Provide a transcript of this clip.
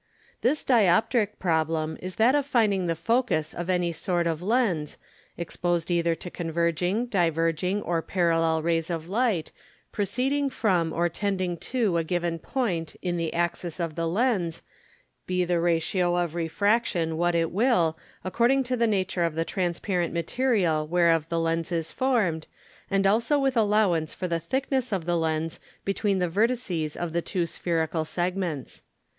This Dioptrick Problem is that of finding the Focus of any sort of Lens, exposed either to converging, diverging, or parallel Rays of Light, proceeding from, or tending to a given Point in the Axis of the Lens, be the Ratio of Refraction what it will, according to the Nature of the transparent Material whereof the Lens is formed, and also with allowance for the thickness of the Lens between the Vertices of the two Spherical Segments.